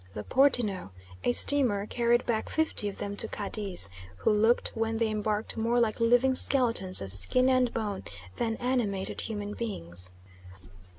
The Portino, a steamer, carried back fifty of them to Cadiz, who looked when they embarked more like living skeletons of skin and bone than animated human beings."